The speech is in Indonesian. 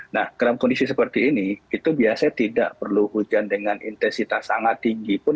nah dalam kondisi seperti ini itu biasanya tidak perlu hujan dengan intensitas sangat tinggi pun